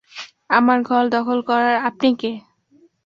আমার ঘর দখল করার আপনি কে?